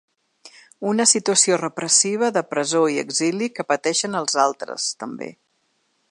Una situació repressiva de presó i exili que pateixen els altres també.